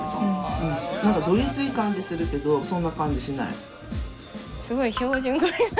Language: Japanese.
何かどぎつい感じするけどそんな感じしない。